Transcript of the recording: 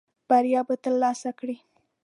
بریا به ترلاسه کړې .